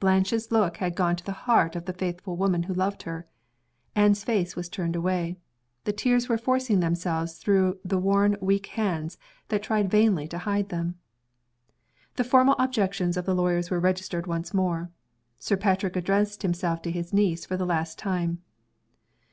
Blanche's look had gone to the heart of the faithful woman who loved her. Anne's face was turned away the tears were forcing themselves through the worn weak hands that tried vainly to hide them. The formal objections of the lawyers were registered once more. Sir Patrick addressed himself to his niece for the last time.